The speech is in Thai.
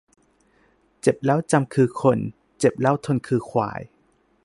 เจ็บแล้วจำคือคน เจ็บแล้วทนคือควาย